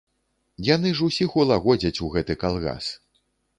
Яны ж усіх улагодзяць у гэты калгас.